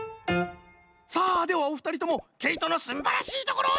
さあではおふたりともけいとのすんばらしいところをどうぞ！